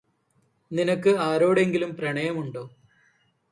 നിനക്ക് ആരോടെങ്കിലും പ്രണയമുണ്ടോ?